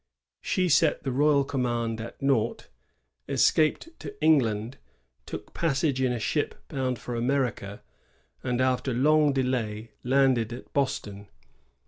She set the royal command at naught, escaped to England, took passage in a ship bound for America, and after long delay landed at Boston.